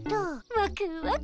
ワクワク。